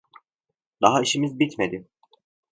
Daha işimiz bitmedi.